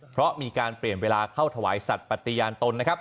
เพราะมีการเปลี่ยนเวลาเข้าถวายสัตว์ปฏิญาณตนนะครับ